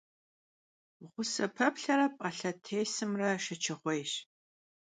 Ğuse peplhere p'alhetêsımre şşeçığuêyş.